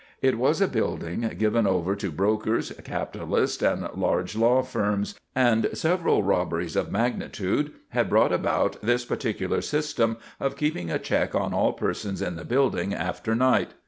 It was a building given over to brokers, capitalists, and large law firms, and several robberies of magnitude had brought about this particular system of keeping a check on all persons in the building after night.